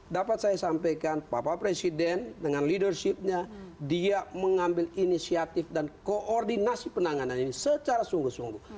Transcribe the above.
dapat saya sampaikan bapak presiden dengan leadershipnya dia mengambil inisiatif dan koordinasi penanganan ini secara sungguh sungguh